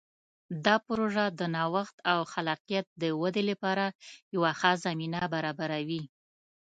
دا پروژه د نوښت او خلاقیت د ودې لپاره یوه ښه زمینه برابروي.